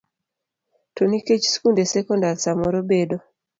To nikech skunde sekondar samoro bedo